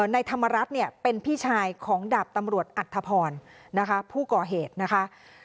นายธรรมรัฐเป็นพี่ชายของดาบตำรวจอัตธพรผู้ก่อเหตุนะคะ